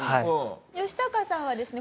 ヨシタカさんはですね